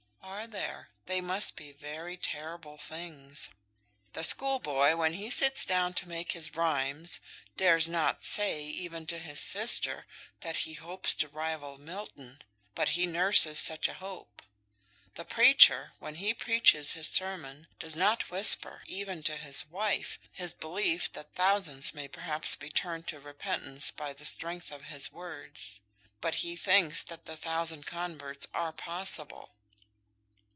"Are there? They must be very terrible things." "The schoolboy, when he sits down to make his rhymes, dares not say, even to his sister, that he hopes to rival Milton; but he nurses such a hope. The preacher, when he preaches his sermon, does not whisper, even to his wife, his belief that thousands may perhaps be turned to repentance by the strength of his words; but he thinks that the thousand converts are possible."